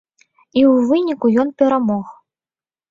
І ў выніку ён перамог.